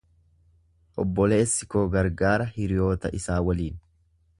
Obboleessi koo gargaara hiriyoota isaa waliin.